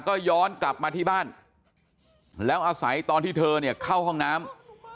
ก็ย้อนกลับมาที่บ้านแล้วอาศัยตอนที่เธอเนี่ยเข้าห้องน้ำ